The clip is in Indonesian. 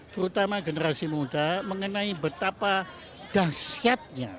terutama generasi muda mengenai betapa dahsyatnya